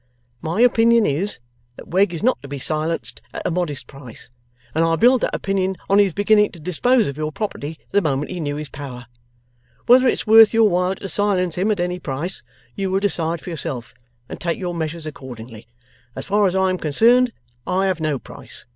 My opinion is, that Wegg is not to be silenced at a modest price, and I build that opinion on his beginning to dispose of your property the moment he knew his power. Whether it's worth your while to silence him at any price, you will decide for yourself, and take your measures accordingly. As far as I am concerned, I have no price.